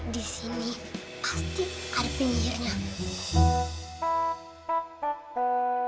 disini pasti ada penyihirnya